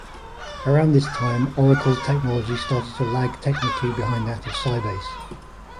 Around this time, Oracle technology started to lag technically behind that of Sybase.